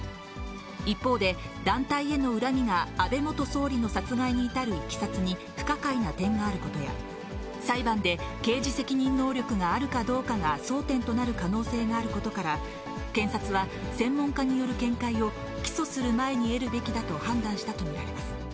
一方で、団体への恨みが、安倍元総理の殺害に至るいきさつに不可解な点があることや、裁判で刑事責任能力があるかどうかが争点となる可能性があることから、検察は専門家による見解を起訴する前に得るべきだと判断したと見られます。